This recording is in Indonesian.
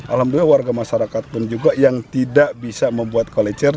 alhamdulillah warga masyarakat pun juga yang tidak bisa membuat kolecer